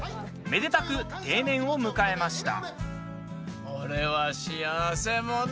めでたく定年を迎えました。